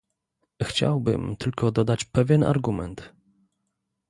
Chciałbym tylko dodać pewien argument